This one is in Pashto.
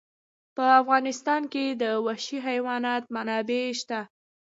په افغانستان کې د وحشي حیوانات منابع شته.